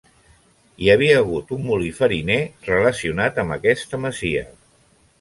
Hi havia hagut un molí fariner relacionat amb aquesta masia.